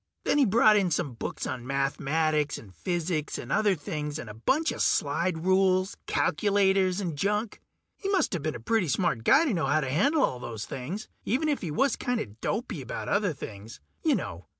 Then he brought in some books on mathematics and physics and other things, and a bunch of slide rules, calculators, and junk. He musta been a pretty smart guy to know how to handle all those things, even if he was kinda dopey about other things. You know